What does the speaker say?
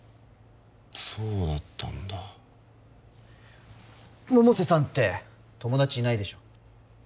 そうだったんだ百瀬さんって友達いないでしょ